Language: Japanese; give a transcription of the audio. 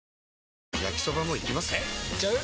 えいっちゃう？